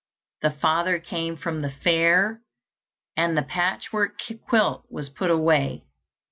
The father came from the fair, and the patchwork quilt was put away.